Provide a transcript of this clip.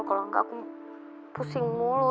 kalau enggak aku pusing mulu